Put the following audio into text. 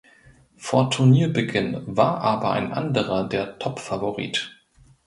Vor Turnierbeginn war aber ein anderer der Topfavorit.